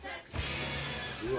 うわ！